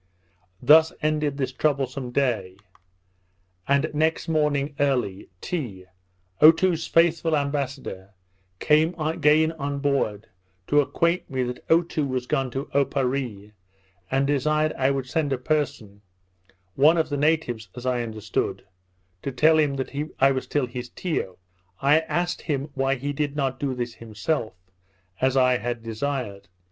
Thus ended this troublesome day; and next morning early, Tee, Otoo's faithful ambassador, came again on board, to acquaint me that Otoo was gone to Oparree, and desired I would send a person (one of the natives as I understood), to tell him that I was still his Tiyo. I asked him why he did not do this himself, as I had desired.